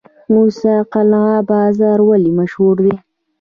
موسی قلعه بازار ولې مشهور دی؟